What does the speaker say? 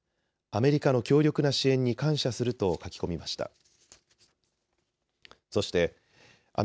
アメリカの強力な支援に感謝すると書き込みました。